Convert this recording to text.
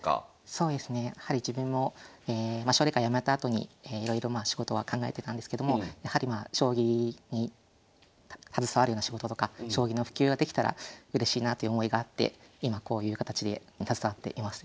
そうですねやはり自分も奨励会やめたあとにいろいろまあ仕事は考えてたんですけどもやはりまあ将棋に携わるような仕事とか将棋の普及ができたらうれしいなという思いがあって今こういう形で携わっています。